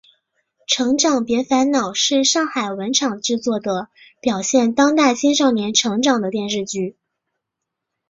成长别烦恼是上海文广制作的表现当代青少年成长的电视剧。